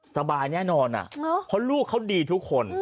สบายแน่นอนเพราะลูกเขาดีทุกคน